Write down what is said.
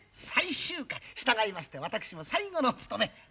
従いまして私も最後の務め。